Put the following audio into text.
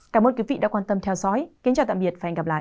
cảm ơn quý vị đã quan tâm theo dõi kính chào tạm biệt và hẹn gặp lại